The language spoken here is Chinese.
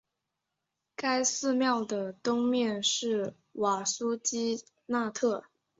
该寺庙的东面是瓦苏基纳特。